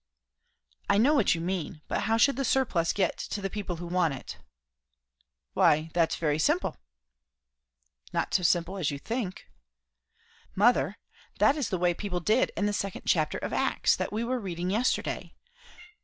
"I know what you mean. But how should the surplus get to the people who want it?" "Why! that's very simple." "Not so simple as you think." "Mother, that is the way people did in the second chapter of Acts, that we were reading yesterday.